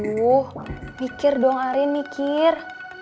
duh mikir dong arin mikir